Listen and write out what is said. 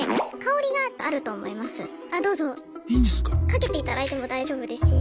かけていただいても大丈夫ですし。